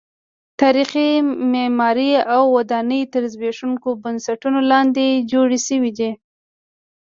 تاریخي معمارۍ او ودانۍ تر زبېښونکو بنسټونو لاندې جوړې شوې دي.